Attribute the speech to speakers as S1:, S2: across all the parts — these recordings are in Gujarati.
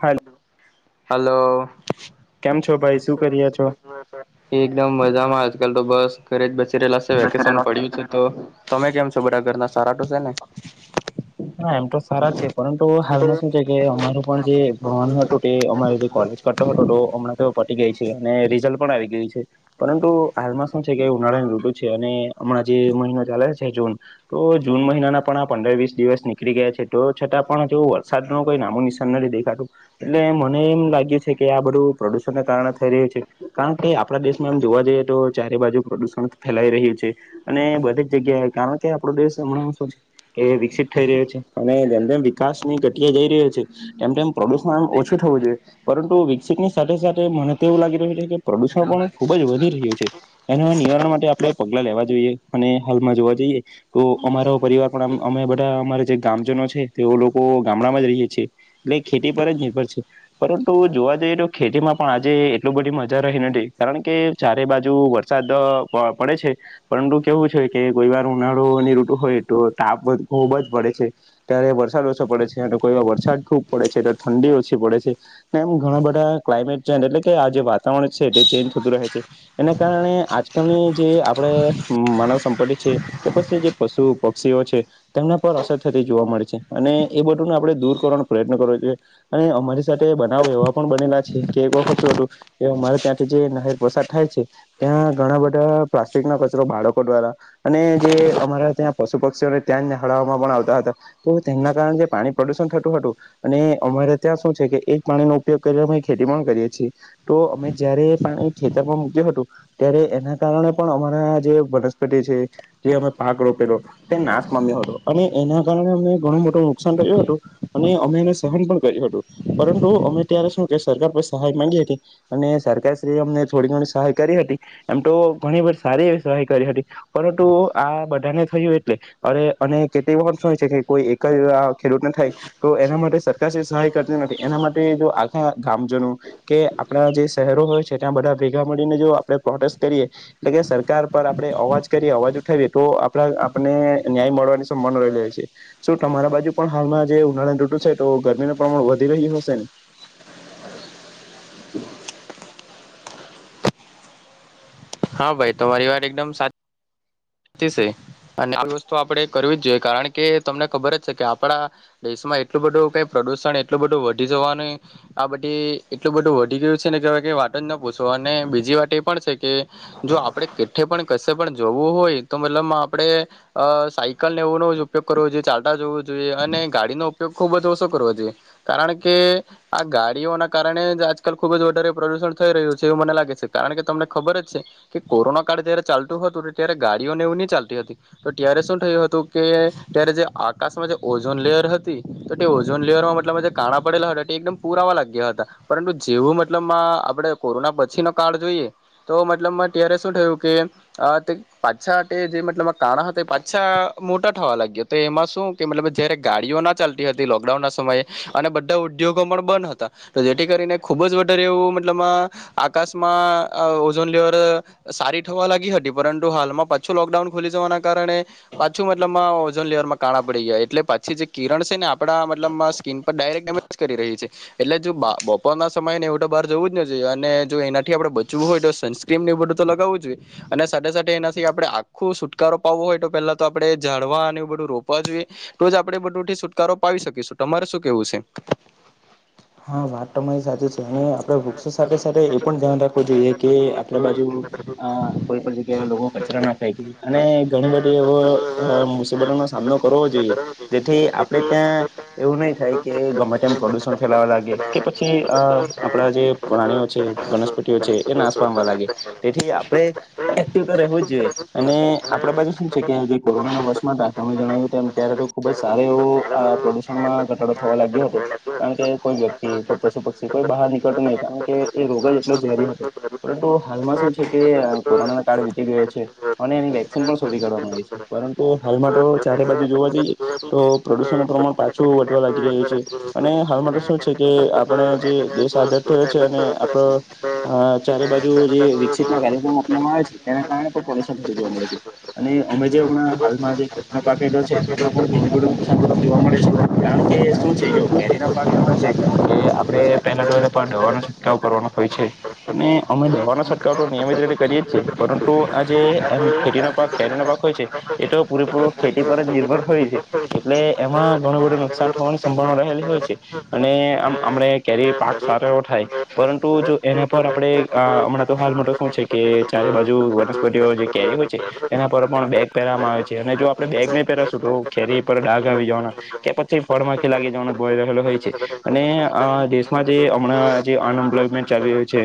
S1: હાલ
S2: હલો. એકમ મજામાં તો બસ ઘરે જ બ [unintelligible] વેકેશન પડ્યું છે તો. તમે કેમ છ? છ બડા ઘરના સારા ટો સે ને?
S1: હા એમ તો સારા છે. પરંતુ હાલમાં શું છે કે અમારુ પણ જે ભણન હતું અમાર જે કોલેજ કરટો હટો હમણાં તો પટી ગાય છે. ને રિઝલ્ટ પણ આવી ગયું છે પરંતુ હાલમાં શું છે કે ઉનાળાનું ઋતુ છે અને હમણાં જે મહિનો ચાલે છે જૂન તો જૂન મહિનાના પણ આ પંદર વીસ દિવસ નીકળી ગયા છે તો છતાં પણ જો વરસાદ ન કોઈ નામું નિશાન નથી દેખાતું. એટલે મને એમ લાગ્યું છે કે આપડું પ્રદૂષન કારણે થઈ ર છે કારણ કે આપણા દેશમાં એમ જોવા જઈએ તો ચારે બાજુ પ્રદુષણ ફેલાઈ રહ્યું છે અને બધી જ જગ્યાએ કારણ કે આપણો દેશ હમણાં શું છે વિકસિત થઠઈ રહ્યો છે. અને જેમ તેમમ વિકાસની જઈ રહ્યો છે તેમ તેમ પ્રદુષણ ઓછું થવું જોઈ પરંતુ વિકસિત ની સાથે સાથે મને તો એવું લાગી રહ્યું છે કે પ્રદુષણ પણ ખુબ જ વધી રહ્યું છે એના નિવારણ માટે આપડે પગલા લેવા જોઈએ અને હાલમાં જોવા જઈએ તો અમારો પરિવાર પણ અમે [unintelligible] અમારે જે ગામજનો છે તેઓ લોકો ગામડામાં જ રહીએ છેીએ એટલે ખેતી પર જ નિર્ભર છે પરંતુ જોવા જઈએ તો ખેતીમાં પણ આજે એટલું બધી મજા રહી નથી કારણ કે ચારે બાજુ વરસાદ પ પડે છે પરંતુ કેવું છે કે કોઈ વાર ઉનાળો ની રઋટુ હોય તો ટાપ ખુબ જ પડે છે ત્યારે વરસાદ ઓછો પડે છે અને કોઈ વરસાદ ખુબ પડે છે ઠંડી ઓછી પડે છે એમ ઘણા બધા ક્લાયમેટ ચેન્જ એટલે કે આ જે વાતાવરણ છે તે ચેન્જ થતું રહે છે એના કારણે આજકાલની જે આપણેે માનવ સંપત્તિ છે કે પછી જે પશુ પક્ષીઓ છે તેમના પર અસર થતી જોવા મળે છે અને એ બધુંને આપણે દૂર કરવાનો પ્રયત્ન કરવો જોઈએ અને અમારી સાથે બનાવો એવા પણ બનેલા છે કે બો કચરો હતું એ અમારે ત્યાંથી જે નહેર પસદ થાય છે ત્યાં ઘણા બધા પ્લાસ્ટિક ના કચરો બાળકો દ્વારા અને જે અમારા ત્યાં પશુ પક્ષીઓને ત્યાં નહળાવવામાં પણ આવતા હતા તો તેના કારણે જે પાણી પ્રદુષણ થતું હતું અને અમારે ત્યાં શું છે કે એક પાણીનોો ઉપયોગ કરી અમે ખેતી પણ કરીએ છીએ તો અમે જયારે પણ ખેતરમાં મક્યું હતું ત્યારે એના કારણે પણ અમારા જે વનસ્પતિ છે જે અમે પાક રોપેલો તે નાસ પામ્યો હતો અને એના કારણે અ ઘણું મોટું નુકસાન થું હતું અને અમે એને સહન પણ કર્યું હતું પરંતુ અમે ત્યારે શું કે સરકાર પર સહાય માંગી હતી અને સરકાર શ્રી અ થોડી ઘણી સહાય કરી હતી એમ તો ઘણી સારી સહાય કરી હતી પરંતુ આ બધાને થયું એટલે અરે અને કે તે વા પણ શું હો છે કે કોઈ એક જઆ ખેડૂતને થાય તો એના માટે સરકાર સે. સહાય કરતી નથી એના માટે જો આખા ગામજનો કે આપણા જે શહેરો હોય છે ત્યાં બધા ભેગા મળીને જો આપણે પ્રોટેસ્ટ કરીએ એટલે કે સરકાર પર આપણે અવાજ કરીએ અવાજ ઉઠાવીએ તો આપણા આપને ન્યાય મળવાની સંભાવના રહેલી છે શ તમારા બાજુ પણ હાલમાં જે ઉનાળા તૂટું છે તો ગરમીનું પ્રમાણ વધી રહ્યું હશે ને?
S2: હા ભાઈ તમારી વાત એકદમ સાચી સાચી છે અને આ વસ્તુ આપણે કરવી જ જોઈએ કારણ કે તમને ખબર જ છે કે આપણા દેશમાં એટલું બધું ક પ્રદુષણ એટલું બધું વધી જવાનું આ બધી એટલું બધું વધી ગયું છે ને કે હવે કઈ વાતો જ ન પૂછો અને બીજી વાત એ પણ છે કે જો આપડે કેઠે પણ કશે પણ જોવું હોય તો મતલબ આપણે અ સાયકલને એવોનો જ ઉપયોગ કરવો જોઈએ ચાલતા જોવું જોઈએ અને ગાડીનોો ઉપયોગ ખુબ જ ઓછો કરવો જોઈએ કારણ કે આ ગાડીઓના કારણે જ આજકાલ ખુબ જ વધારે પ્રદુષણ થઈ રહ્યું છે એવું મને લાગે છે કારણ કે તમને ખબર જ છે. કે કોરોના કાળ જયારે ચાલતું હતું ત્યારે ગાડીઓને એવું નહી ચાલતી હતી તો ત્યારે શું થયું હતું કે ત્યારે જે આકાશમાં જે ઓઝોન લેયર હતી તો તે ઓઝોન લેયરમાં મતલબ જે કાણા પડેલા હતા તે એકદમ પુરાવા લાગ્યા હતા પરંતુ જેવું મતલબ આપણે કોરોના પછી નો કાળ જોઈએ તો મ મતલબ ત્યારે શું થયું કે તે પાછા તે જે મતલબ કાણા હતા પાછા મોટા થવા લાગ્યો તો એમાં શું કે મતલબ જયારે ગાડીઓ ના ચાલતી હતી લોકડાઉન ના સમયે અને બધા ઉદ્યોગો પણ બંધ હતા તો જેથી કરીને ખુબ જ વધારે એવું મતલબ આકાશમાં ઓઝોન લેર સારી થવા લાગી હતી પરંતુ હાલમાં પાછું લોકડાઉન ખુલી જવાના કારણે પાછું મતલબમાં ઓઝોન લેવરમાં કાણા પડી ગયા એટલે પાછી જે કિરણ છે ને આપણા મતલબ સ્કીિન પર ડાયરેક્ટ ડેમેજ કરી રહી છે એટલે જો બપોરના સમય ને એવું તો બાર જવું જ ન જોઈએ અને જો એનાથી આપણે બચવું હોય તો સનસ્ક્રીન એ બધું તો લગાવવું જોઈએ અને સાથે સાથે એનાથી આપડણે આખું છુટકારો પાવવો હોય તો પેલા તો આપણે ઝડવા અને એ બધું રોપવા જોઈએ તો જ આપણેે બધુંથી છૂટકારો પાવી શકીશું તમારે શું કેવું છે.
S1: હા વાત તો મારી સાથેચ છે અને આપડે વૃક્ષો સાથે સાથે એ પણ ધ્યાન રાખવું જોઈએ. કે આપણે બાજુ અ કોઈ પણ જગ્યાએ લોકો કચરા ના ફેકી અને ઘણી બધી એવો મુસીબતો નો સામનો કરવો જોઈએ જેથી આપડે ત્યાં એવું નહી થાય કે ગમે તેમ પ્રદુષણ લ કે પછી અ આપડા જે પ્રાણીઓ છે વનસ્પતિઓ છે. પામ વા લાગ તેથી આપ એક્ટિવ રહેવું જ જોઈએ અને આપડ બાજુ શું છે કે કોરોના વર્ષમાંને જણાવ્યું ત્યારે ખુબ જ સાર એવું પ્રદુષણમાં ઘટાડો થવા લાગ્યો હતો. કારણ કે કોઈ વ્યક્તિ કોઈ પશુ પક્ષી કોઈ બહાર નીકળતું નહીં કારણ કે એ રોગ જ એટલો ઝેરી હતો. પરંતુ હાલમાં શું છે કે કોરોનાના કાળ વીતી ગયો છે અને એની વેક્સિન પણ શોરી કાઢવામાં આવી છે પરંતુ હાલમાં તો ચારે બાજુ જોવા જઈએ તો પ્રદુષણ ન પ્રમાણ પાછું વધટવા લાગી રહ્યું છે. ને હાલ માટે શું છે કે આપણે જે દેશ આઝાદ થયો છે અને આપડો ચારે બાજુ જે વિકસિત ના કાર્યક્રમ આવે છે એના કારણે પણ પ્રદુશન થતું જોવા મળે છે અને અમે જે હમણાં હાલમાં જે પાકેટ છે એમાં પણ ઘણું બું નુકસાન થું જોવા મળે છે કારણ કે શું છે જો પાક એવો છે કે આપડે પેલા ટો પા દવાનો છટક કરવા હોય છે અને અમે દવાના ચટો નિયમિત રીતે કરીએ જ છે પરંતુ આ જેમ ખેતીનો પાક પરી ન પાક હોય છે એ તો પૂરેપૂરો ખેતી પર જ નિર્ભર હોય છે એટલે એમાં ઘણું બધું નુકસાન થવાની સંભાવના રહેલી હોય છે અને અવે કેરી પાક સારો એવો થાય પરંતુ જો એના પર આપડે હમણાં તો હાલ માટે શું છે કે ચારે બાજુ વનસ્પતિઓ જે કેરી હોય છે એના પર પણ બેગ પહેરવામાં આવે છે અને જો આપણે બેગ નહી પહેરાશું તો કેરી પર ડઘ આવી જવાના કે પછી ફળમાખી લાગી જવાનું હોય છે અને અ દેશમાં જે હમણાં જે અનએમ્પ્લોયમેન્ટ ચાલી રહ્યું છે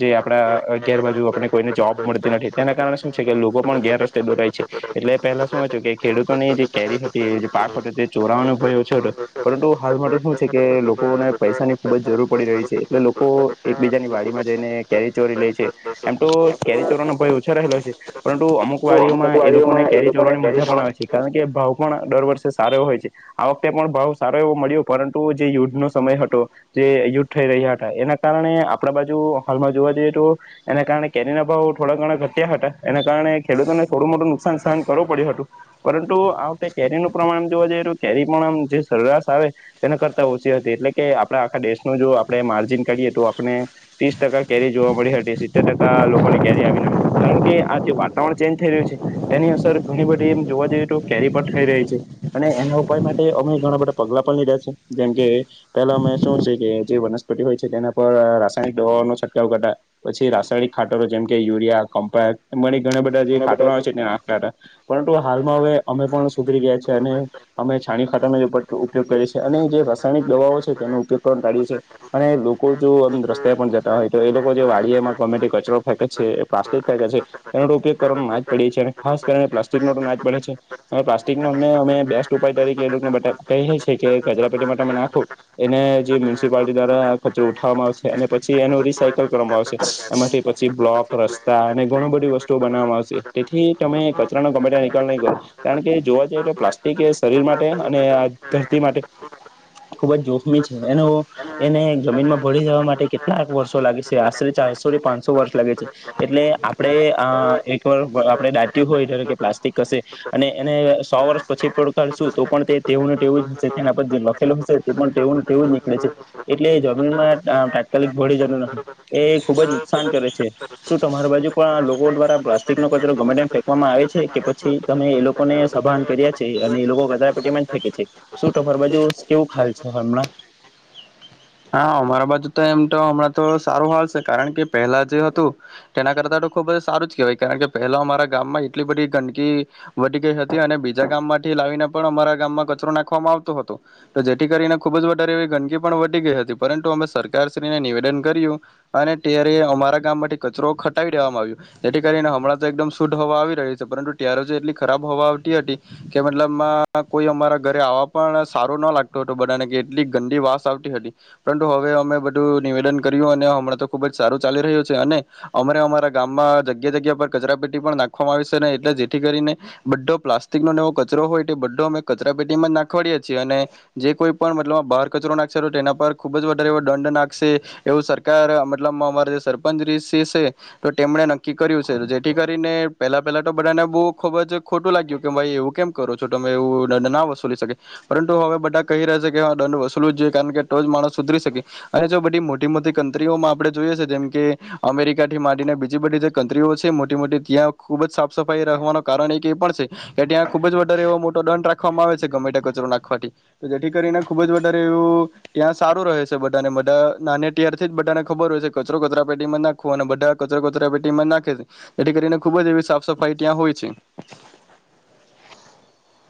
S1: જે આપણા ગેર બાજુ આપને કોઈને જોબ મળતી નથી તેના કારણે શું છે કે લોકો પણ ગેર રસ્તે દોરાય છે એટલે પહેલા શું હતું કે ખેડૂતોની જે કેરી હતી જે પાક હતો તે ચોરાવાનો ભય ઓછો હતો. પરંતુ હાલ માટે શું છે કે લોકોને પૈસાની ખુબ જ જરૂર પડી રહી છે એટલે લોકો એકબીજાની વાડીમાં જઈને કેરી ચોરી લે છે એમ તો કેરી ચોરાનો ભય ઓછો રહેલો છે પરંતુ અમુક વાડીઓમાં એ લોકો કો ને કેરી ચોરવાની મજા પણ આવે છે કારણ કે ભાવ પણ દર વર્ષે સારો હોય છે આ વખતે પણ ભાવ સારો એવો મળ્યો પરંતુ જે યુદ્ધનો સમય હતો જે યુદ્ધ થઈ રહ્યા હતા એના કારણે આપણા બાજુ હાલમાં જોવા જઈએ તો એના કારણે કેરીના ભાવો થોડા ઘણા ઘટ્યા હતા એના કારણે ખેડૂતોને થોડું મોટું નુકસાન સહન કરવું પડ્યું હતું પરંતુ આતે કેરીનું પ્રમાણ જોવા જઈએ હતું કેરી પણ આમ જે [unintelligible] આવે તેના કરતાં ઓછી હતી એટલે કે આપણા આખા દેશનું જો આપણે માર્જિન કએ તો આપણે ત્રીસ ટકા કેરી જોવા મળી હતી સિત્તેર ટકા લોકોની કેરી આવી હતી કારણ કે આ જે વાતાવરણ ચેન્જ થઈ રહ્યું છે તેની અસર ઘણી બધી એમ જોવા જઈએ તો કેરી પર થઈ રહી છે અને એના ઉપાય માટે અમે ઘણા બધ ધા પગલા પણ લ રહ્યા છે જેમ કે પેલા અ શું છે કે જે વનસ્પતિ હોય છે તેના પર રાસાયણિક દવા નો છંટકાવ કરાતા પછી રાસાયણિક ખાટરો જેમકે યુરિયા કોમ્પે ઘણા બધ ધા જે ખાટો છે એને નાખકા અતા પરંતુ હાલમાં હવે અમે પણ સુધરી ગયા છે અને અમે છાણી ખાતાના ઉપયોગ કરીએ છે અને જે રાસાયણિક દવાઓ છે તેનો ઉપયોગ કરવાનું ટાડયે છે અને લોકો જો અમ રસ્તે પણ જતા હોય તો એ લોકો જે વાડીમાં ગમેતેમ કચરો ફેંકે છે એ, પ્લાસ્ટિક ફેકે છે એનો ઉપયોગ કરવાનો ના જ પડી છે અને ખાસ કરીને પ્લાસ્ટિકનો તો ના જ પડે છે. પ્લાસ્ટિકનો અને અમે બેસ્ટ ઉપાય તરીકે એ લોકોને બધા કહે છે કે કચરાપેટી માટે તમે નાખો એને જે મ્યુનિસિપાલિટી દ્વારા કચરો ઉઠાવવામાં આવશે અને પછી એનું રિસાયકલ કરવામાં આવશે. એમાંથી પછી બ્લોક, રસ્તા અને ઘણું બધી વસ્તુઓ બનાવવામાં આવશે. તેથી તમે કચરાનો ગમે તા નિકાલ નહીં કરો કારણ કે જોવા જઈએ તો પ્લાસ્ટિક એ શરીર માટે અને આ ધરતી માટે ખુબ જ જોખમી છે એને એને જમીનમાં ભળી જવા માટે કેટલાક વર્ષો લાગે છે. આશરે ચારસો થી પાંન સો વર્ષ લાગે છે એટલે આપણે આ એકવાર આપણે દાટ્યું હોય ધારો કે પ્લાસ્ટિક કસે અને એને સો વર્ષ પછી પડકારશું તો પણ તે તેઓને તેના પર લખેલું હશે તે પણ ટેવું જ નીકળે છે એટલે જમીનમાં તાત્કાલિક ભળી જ નથી એ ખુબ જ નુકસાન કરે છે. શું તમારા બાજુ પણ લોકો દ્વારા પ્લાસ્ટિક નો કચરો ગમે તેમ ફેંકવામાં આવે છે કે પછી તમે એ લોકોને સભાન કર્યા છે અને એ લોકો કચરા પેટીમાં જ ફેંકે છે. શું તમારા બાજુ સ કેવું ખાલ છે હમણાં?
S2: હા અમારા બાજુ તો એમ તો હમણાં તો સારું હાલ છે કારણ કે પહેલા જે હતું તેના કરતા તો ખુબ જ સારું જ કેહેવાય કારણ કે પહેલા અમારા ગામમાં એટલી બધી ગંદકી વધી ગઈ હતી અને બીજા ગામ માંથી લાવીને પણ અમારા ગામમાં કચરો નાખવામાં આવતો હતો તો જેથી કરીને ખુબ જ વધારે એવી ગંદકી પણ પરંતુ અમે સરકારશ્રીને નિવેદન કર્યું અને તયારે અમારા ગામ માં થી કચરો ખટાવી દેવામાં આવ્યો જેથી કરીને હમણાં તો એકદમ શુદ્ધ હવા આવી રહી છે. પરંતુ તયારે જે એટલી ખરાબ હોવા આવતી હતી કે મતલબમાં કોઈ અમારા ઘરે આવવા પણ સારો ન લાગટુ હતું બધાને કે એટલી ગંદી વાસ આવતી હવે અમે બધું નિવેદન કર્યું અને હમણાં તો ખુબ જ સારું ચાલી રહ્યું છે અને અમને અમારા ગામમાં જગ્યા જગ્યા પર કચરા પેટી પણ નાખવામાં આવી સે ને એટલે જેથી કરીને બધો પ્લાસ્ટિક ને એવો કચરો હોય એ બધો અમે કચરા પેટી માં નાખવાડીએ છીએ અને જે કોઈ પણ મતલબ માં બહાર કચરો ના તેના પર ખુબ જ વધારે એવો દંડ નાખશે એવું સરકાર મતલબમાં અમારા જે સરપંચ રિશી છે તો તેમને નક્કી કર્યું છે જેથી કરીને પહેલા પહેલા તો બધાને બો ખુબ જ ખોટું લાગ્યું કે ભાઈ એવું કેમ કરો છો. તમે એવું દંડ ના વસૂલી શકે પરંતુ હવે બધા કહી રહ્યા છે કે હા દંડ વસૂલ વો જ કારણ કે તો જ માણસ સુધરી શકે અને જો બધી મોટી મોટી કન્ટ્રીઓમાં આપણે જોઈએ છે જેમ કે અમેરિકા થી માંડીને બીજી બધી જે કન્ટ્રીઓ છે મોટી મોટી ત્યાં ખૂબ જ સાફ સફાઈ રાખવાનું કારણ એક એ પણ છે કે ત્યાં ખૂબ જ વધારે એવો મોટો દંડ રાખવામાં આવે છે. ગમે તા કચરો નાખવાથી જેથી કરીને ખૂબ જ વધારે એવું ત્યાં સારું રહે છે. બધાને બધા નાની તયારથી જ બધાને ખબર હોય છે કચરો કચરા પેટીમાં નાખવો અને બધા કચરા કચરા પેટીમાં નાખે છે. એથી કરીને ખુબ જ એવી સાફ સફાઈ ત્યાં હોય છે.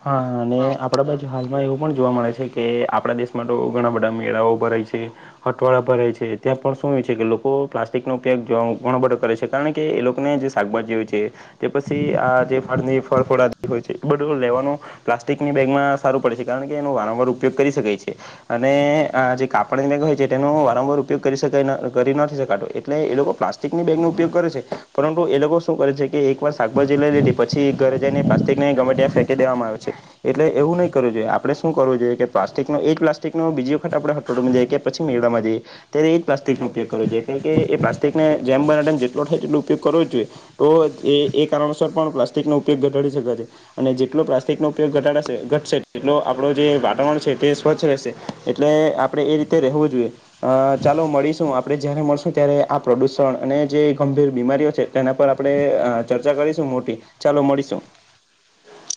S1: હા અને આપડા બાજુ હાલમાં એવું પણ જોવા મળે છે કે આપણા દેશમાં તો ઘણા બધા મેળાઓ ભરાય છે, હટવાળા ભરાય છે ત્યાં પણ શું હોય છે કે લોકો પ્લાસ્ટિક નો ઉપયોગ ઘણો બધો કરે છે કારણ કે એ લોકોને જે શાકભાજી હોય છે તે પસી આ જે ફળ જે ફળ ફળાદિ હોય છે તે બધું લેવાનું પ્લાસ્ટિકની બેગમાં સારું પડે છે કારણ કે એનો વારંવાર ઉપયોગ કરી શકાય છે અને આ જે કાપડની બેગ હોય છે તેનો વારંવાર ઉપયોગ કરી કરી નથી શકાતો એટલે એ લોકો પ્લાસ્ટિકની બેગ નો ઉપયોગ કરે છે પરંતુ એ લોકો શું કરે છે કે એક વાર શાકભાજી લઈ લીધી પછી ઘરે જઈને પ્લાસ્ટિકને ગમે ત્યાં ફેકી ફેકી દેવામાં આવે છે એટલે એવું ની કરવું જોઈએ. આપણે શું કરવુ જોઈએ. પ્લાસ્ટિકનો એ જ પ્લાસ્ટિકનો બીજી વખત આપણે હટોડમાં જઈએ કે, પછી મેળા માં જઈએ ત્યારે એ જ પ્લાસ્ટિકનો ઉપયોગ કરવો જોઈએ એટલે કે એ પ્લાસ્ટિકને જેમ બને તેમ જેટલો થાય તેટલો ઉપયોગ કરવો જોઈએ તો એ એ કારણોસર પણ પ્લાસ્ટિકનો ઉપયોગ ઘટાડી શકે છે અને જે એટલો પ્લાસ્ટિકનો ઉપયોગ ઘટાડાશે ઘટશે એટલો આપણો જે વાતાવરણ છે તે સ્વચ્છ રહેશે એટલે આપણે એ રીતે રહેવું જોઈએ. અ ચાલો મળીશું આપણે જય્યારે મળીશું ત્યારે આ પ્રદૂષણ અને જે ગંભીર બીમારીઓ છે તેના પર આપણે ચર્ચા કરીશું મોટી ચાલો મળીશું.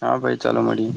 S2: હા ભાઈ ચાલો મળ્યે.